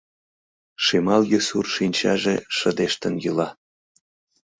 Шемалге-сур шинчаже шыдештын йӱла.